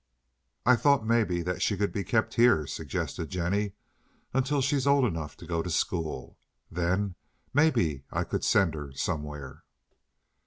"I thought maybe that she could be kept here," suggested Jennie, "until she's old enough to go to school. Then maybe I could send her somewhere."